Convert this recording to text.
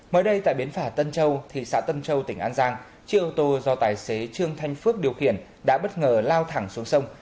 mới đây tại bến phả tân châu thị xã tân châu tỉnh an giang chiếc ô tô do tài xế trương thanh phước điều khiển đã bất ngờ lao thẳng xuống sông